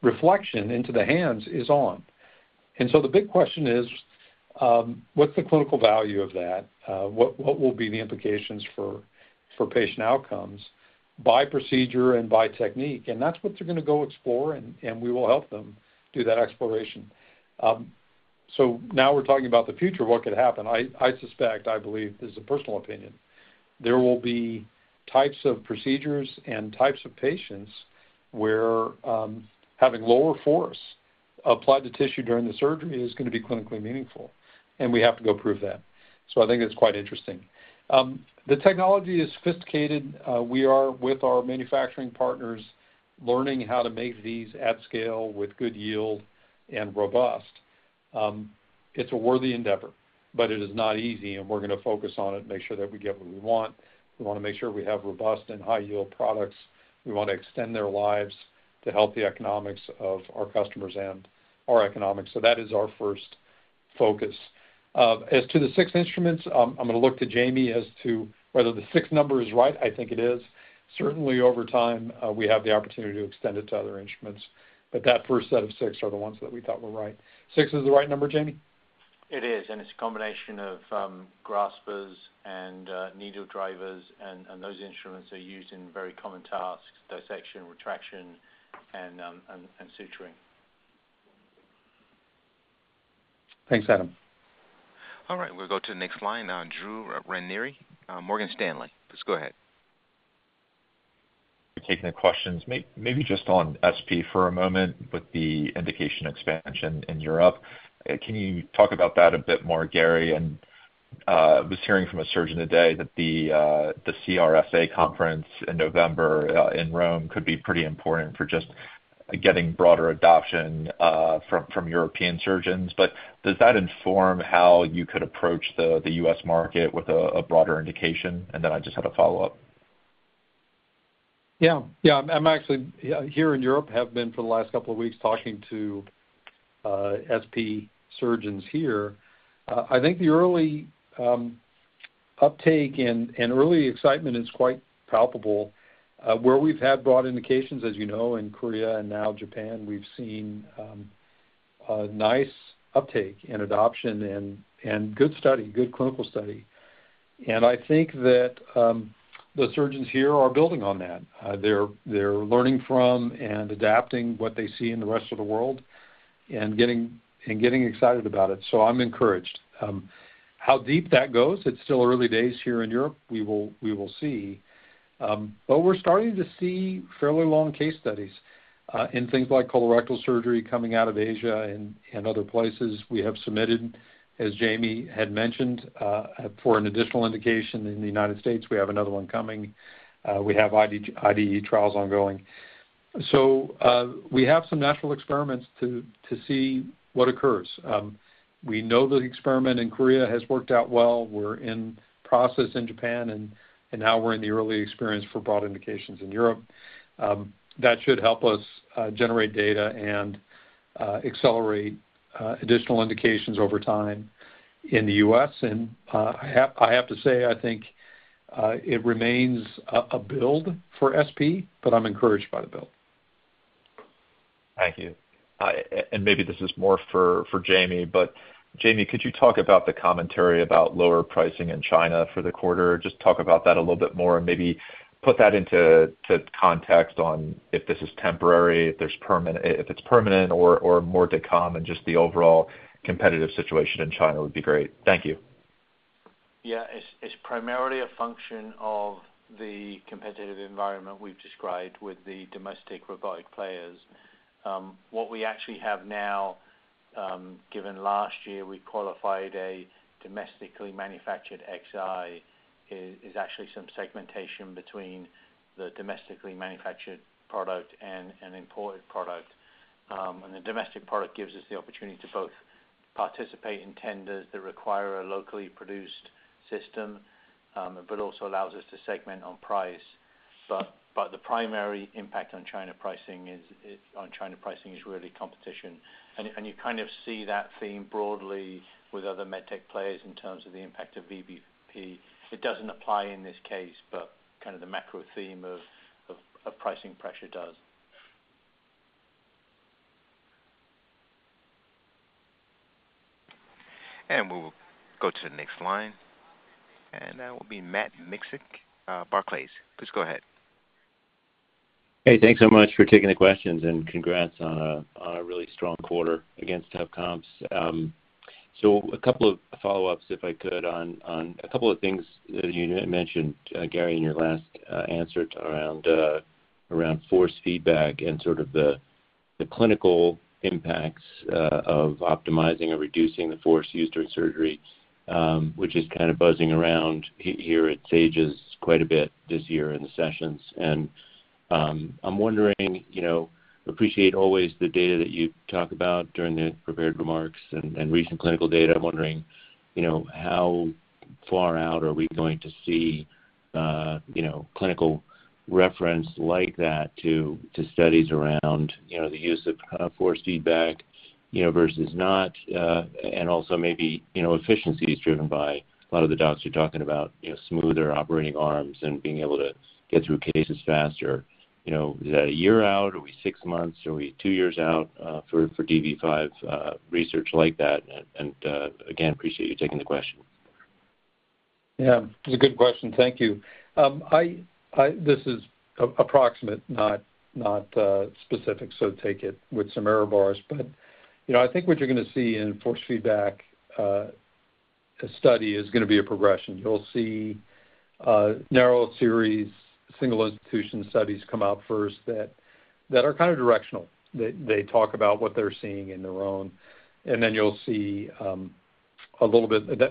reflection into the hands is on. And so the big question is, what's the clinical value of that? What, what will be the implications for, for patient outcomes by procedure and by technique? That's what they're going to go explore, and we will help them do that exploration. So now we're talking about the future, what could happen. I suspect, I believe, this is a personal opinion, there will be types of procedures and types of patients where having lower force applied to tissue during the surgery is going to be clinically meaningful, and we have to go prove that. So I think it's quite interesting. The technology is sophisticated. We are, with our manufacturing partners, learning how to make these at scale with good yield and robust. It's a worthy endeavor, but it is not easy, and we're going to focus on it and make sure that we get what we want. We want to make sure we have robust and high-yield products. We want to extend their lives to help the economics of our customers and our economics. So that is our first focus. As to the six instruments, I'm going to look to Jamie as to whether the six number is right. I think it is. Certainly over time, we have the opportunity to extend it to other instruments, but that first set of six are the ones that we thought were right. Six is the right number, Jamie? It is, and it's a combination of, graspers and, needle drivers, and those instruments are used in very common tasks, dissection, retraction, and suturing. Thanks, Adam. All right, we'll go to the next line now. Drew Ranieri, Morgan Stanley. Please go ahead. Taking the questions. Maybe just on SP for a moment, with the indication expansion in Europe. Can you talk about that a bit more, Gary? And, I was hearing from a surgeon today that the CRSA conference in November, in Rome, could be pretty important for just getting broader adoption, from European surgeons. But does that inform how you could approach the U.S. market with a broader indication? And then I just had a follow-up. Yeah. Yeah. I'm actually here in Europe, have been for the last couple of weeks talking to SP surgeons here. I think the early uptake and early excitement is quite palpable. Where we've had broad indications, as you know, in Korea and now Japan, we've seen a nice uptake and adoption and good study, good clinical study. And I think that the surgeons here are building on that. They're learning from and adapting what they see in the rest of the world and getting excited about it. So I'm encouraged. How deep that goes, it's still early days here in Europe. We will see. But we're starting to see fairly long case studies in things like colorectal surgery coming out of Asia and other places. We have submitted, as Jamie had mentioned, for an additional indication in the United States. We have another one coming. We have IDE, IDE trials ongoing. So, we have some natural experiments to see what occurs. We know the experiment in Korea has worked out well. We're in process in Japan, and now we're in the early experience for broad indications in Europe. That should help us, generate data and, accelerate, additional indications over time in the U.S. And, I have to say, I think, it remains a build for SP, but I'm encouraged by the build. Thank you. And maybe this is more for Jamie, but Jamie, could you talk about the commentary about lower pricing in China for the quarter? Just talk about that a little bit more and maybe put that into context on if this is temporary, if it's permanent or more to come, and just the overall competitive situation in China would be great. Thank you. Yeah, it's primarily a function of the competitive environment we've described with the domestic robotic players. What we actually have now, given last year, we qualified a domestically manufactured Xi, is actually some segmentation between the domestically manufactured product and an imported product. And the domestic product gives us the opportunity to both participate in tenders that require a locally produced system, but also allows us to segment on price. But the primary impact on China pricing is really competition. And you kind of see that theme broadly with other med tech players in terms of the impact of VBP. It doesn't apply in this case, but kind of the macro theme of pricing pressure does. We'll go to the next line. That will be Matt Miksic, Barclays. Please go ahead. Hey, thanks so much for taking the questions, and congrats on a really strong quarter against tough comps. So a couple of follow-ups, if I could, on a couple of things that you mentioned, Gary, in your last answer around force feedback and sort of the clinical impacts of optimizing and reducing the force used during surgery, which is kind of buzzing around here at SAGES quite a bit this year in the sessions. I'm wondering, you know, appreciate always the data that you talk about during the prepared remarks and recent clinical data. I'm wondering, you know, how far out are we going to see, you know, clinical reference like that to, to studies around, you know, the use of, force feedback, you know, versus not, and also maybe, you know, efficiencies driven by a lot of the docs you're talking about, you know, smoother operating arms and being able to get through cases faster. You know, is that a year out? Are we six months? Are we two years out, for, for DV5, research like that? And, and, again, appreciate you taking the question. Yeah, it's a good question. Thank you. This is approximate, not specific, so take it with some error bars. But, you know, I think what you're gonna see in force feedback study is gonna be a progression. You'll see narrow series, single institution studies come out first that are kind of directional. They talk about what they're seeing in their own, and then you'll see that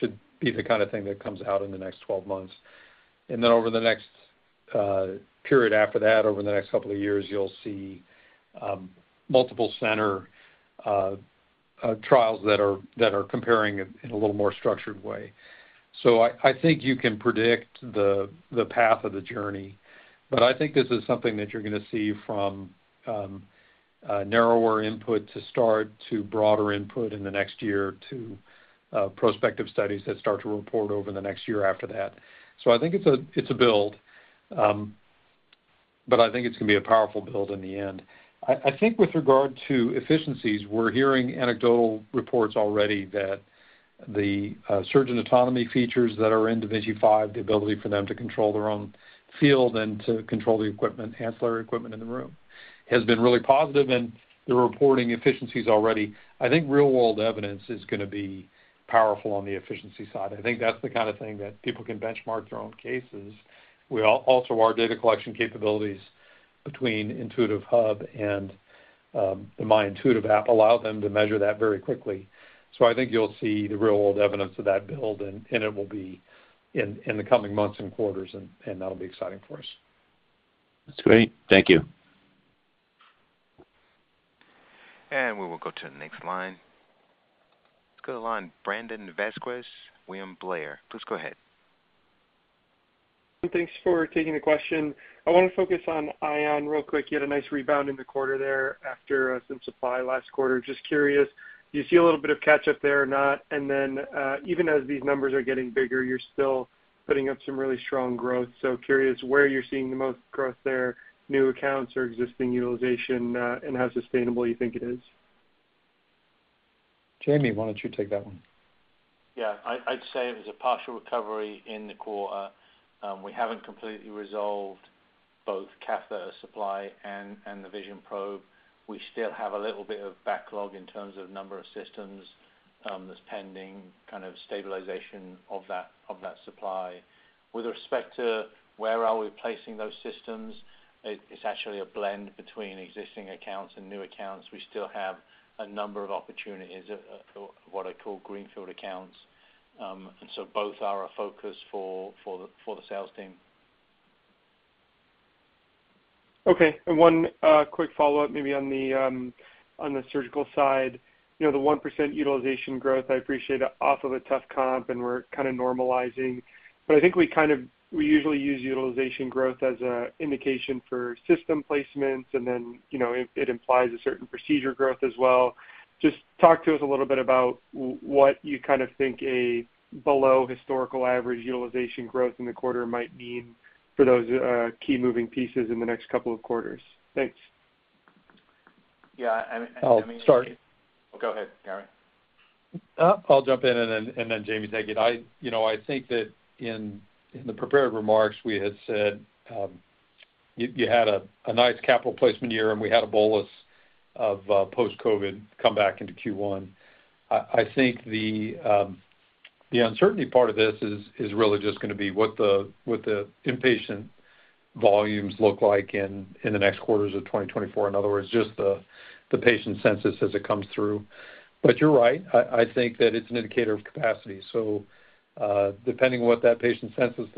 should be the kind of thing that comes out in the next 12 months. And then over the next period after that, over the next couple of years, you'll see multiple center trials that are comparing it in a little more structured way. So I think you can predict the path of the journey, but I think this is something that you're gonna see from a narrower input to start, to broader input in the next year, to prospective studies that start to report over the next year after that. So I think it's a build, but I think it's gonna be a powerful build in the end. I think with regard to efficiencies, we're hearing anecdotal reports already that the surgeon autonomy features that are in da Vinci 5, the ability for them to control their own field and to control the equipment, ancillary equipment in the room, has been really positive, and they're reporting efficiencies already. I think real world evidence is gonna be powerful on the efficiency side. I think that's the kind of thing that people can benchmark their own cases. We also, our data collection capabilities between Intuitive Hub and the My Intuitive app allow them to measure that very quickly. So I think you'll see the real world evidence of that build, and it will be in the coming months and quarters, and that'll be exciting for us. That's great. Thank you. We will go to the next line. Let's go to the line, Brandon Vazquez, William Blair. Please go ahead. Thanks for taking the question. I want to focus on Ion real quick. You had a nice rebound in the quarter there after some supply last quarter. Just curious, do you see a little bit of catch up there or not? And then, even as these numbers are getting bigger, you're still putting up some really strong growth. So curious, where you're seeing the most growth there, new accounts or existing utilization, and how sustainable you think it is? Jamie, why don't you take that one? Yeah, I'd say it was a partial recovery in the quarter. We haven't completely resolved both cath lab supply and the Vision Probe. We still have a little bit of backlog in terms of number of systems that's pending kind of stabilization of that supply. With respect to where are we placing those systems, it's actually a blend between existing accounts and new accounts. We still have a number of opportunities what I call greenfield accounts, and so both are a focus for the sales team. Okay. And one quick follow-up, maybe on the on the surgical side. You know, the 1% utilization growth, I appreciate off of a tough comp, and we're kind of normalizing. But I think we kind of we usually use utilization growth as an indication for system placements, and then, you know, it, it implies a certain procedure growth as well. Just talk to us a little bit about what you kind of think a below historical average utilization growth in the quarter might mean for those key moving pieces in the next couple of quarters. Thanks. Yeah, and I mean- I'll start. Go ahead, Gary. I'll jump in and then Jamie, take it. You know, I think that in the prepared remarks, we had said you had a nice capital placement year, and we had a bolus of post-COVID come back into Q1. I think the uncertainty part of this is really just gonna be what the inpatient volumes look like in the next quarters of 2024. In other words, just the patient census as it comes through. But you're right, I think that it's an indicator of capacity. So, depending on what that patient census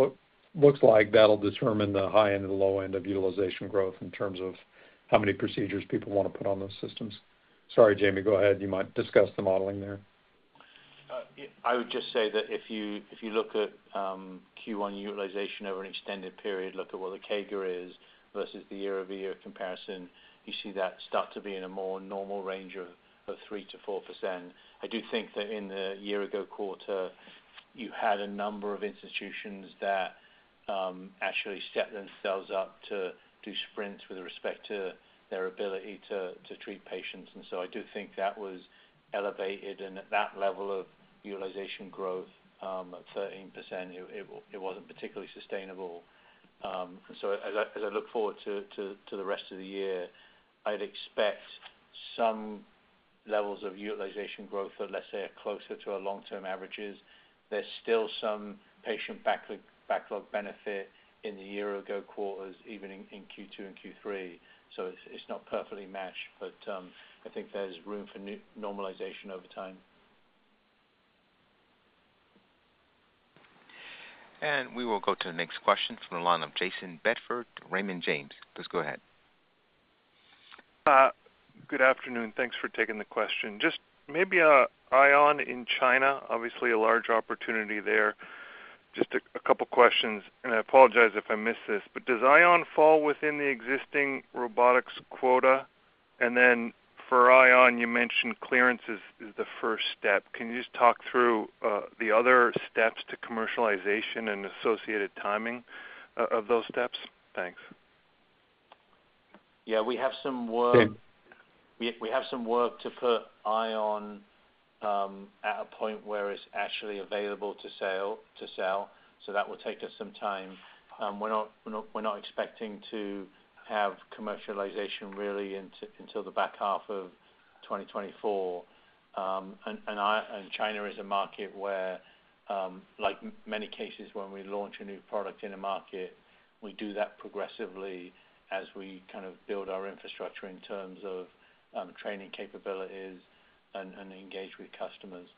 looks like, that'll determine the high end and the low end of utilization growth in terms of how many procedures people wanna put on those systems. Sorry, Jamie, go ahead. You might discuss the modeling there. I would just say that if you, if you look at Q1 utilization over an extended period, look at what the CAGR is versus the year-over-year comparison, you see that start to be in a more normal range of 3%-4%. I do think that in the year-ago quarter, you had a number of institutions that actually set themselves up to do sprints with respect to their ability to treat patients. And so I do think that was elevated, and at that level of utilization growth at 13%, it wasn't particularly sustainable. So as I look forward to the rest of the year, I'd expect some levels of utilization growth that, let's say, are closer to our long-term averages. There's still some patient backlog benefit in the year-ago quarters, even in Q2 and Q3, so it's not perfectly matched, but I think there's room for new normalization over time. We will go to the next question from the line of Jayson Bedford, Raymond James. Please go ahead. Good afternoon. Thanks for taking the question. Just maybe, Ion in China, obviously, a large opportunity there. Just a couple questions, and I apologize if I missed this, but does Ion fall within the existing robotics quota? And then for Ion, you mentioned clearance is the first step. Can you just talk through, the other steps to commercialization and associated timing of those steps? Thanks. Yeah, we have some work and we have some work to put Ion at a point where it's actually available to sale, to sell, so that will take us some time. We're not expecting to have commercialization really until the back half of 2024. And China is a market where, like many cases, when we launch a new product in a market, we do that progressively as we kind of build our infrastructure in terms of training capabilities and engage with customers.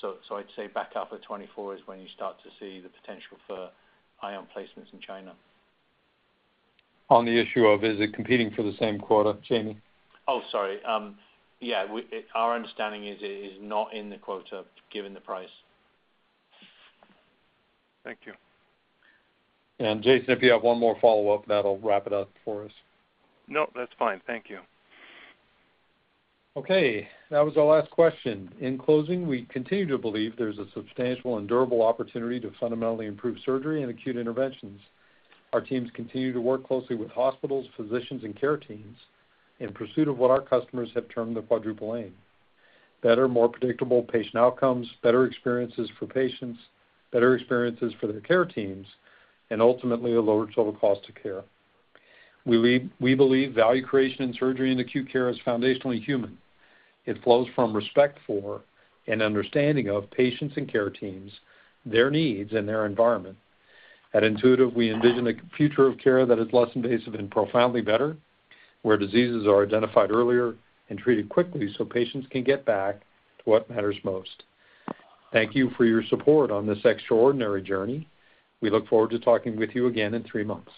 So I'd say back half of 2024 is when you start to see the potential for Ion placements in China. On the issue of, is it competing for the same quota, Jamie? Oh, sorry. Yeah, we, our understanding is it is not in the quota, given the price. Thank you. Jayson, if you have one more follow-up, that'll wrap it up for us. Nope, that's fine. Thank you. Okay, that was our last question. In closing, we continue to believe there's a substantial and durable opportunity to fundamentally improve surgery and acute interventions. Our teams continue to work closely with hospitals, physicians, and care teams in pursuit of what our customers have termed the quadruple aim: better, more predictable patient outcomes, better experiences for patients, better experiences for their care teams, and ultimately, a lower total cost of care. We believe value creation in surgery and acute care is foundationally human. It flows from respect for and understanding of patients and care teams, their needs, and their environment. At Intuitive, we envision a future of care that is less invasive and profoundly better, where diseases are identified earlier and treated quickly, so patients can get back to what matters most. Thank you for your support on this extraordinary journey. We look forward to talking with you again in three months.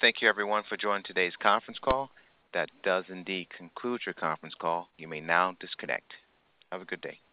Thank you, everyone, for joining today's conference call. That does indeed conclude your conference call. You may now disconnect. Have a good day.